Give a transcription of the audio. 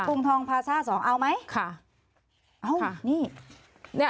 กรุงทองพาซ่า๒เอาไหมค่ะค่ะอ้าวนี่